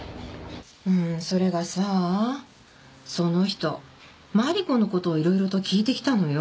うんそれがさあその人マリコの事を色々と聞いてきたのよ。